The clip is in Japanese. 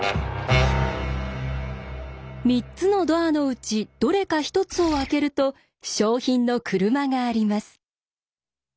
３つのドアのうちどれか１つを開けると賞品の車があります。